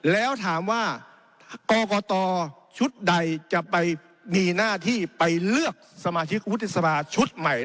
แล้วถามว่ากรกตชุดใดจะไปมีหน้าที่ไปเลือกสมาชิกวุฒิสภาชุดใหม่